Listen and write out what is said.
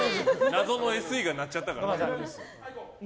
謎のＳＥが鳴っちゃったから。